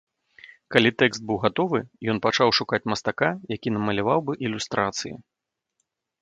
Калі тэкст быў гатовы, ён пачаў шукаць мастака, які намаляваў бы ілюстрацыі.